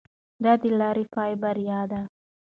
د دې لارې پای بریا ده.